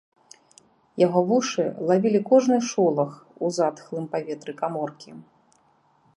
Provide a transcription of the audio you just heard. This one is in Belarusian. Яго вушы лавілі кожны шолах у затхлым паветры каморкі.